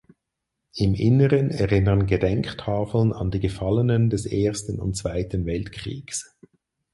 Im Inneren erinnern Gedenktafeln an die Gefallenen des Ersten und Zweiten Weltkriegs.